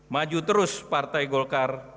maju terus partai golkar